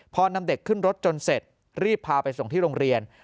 พอนำเด็กขึ้นรถจนเสร็จรีบพาไปส่งที่โรงเรียน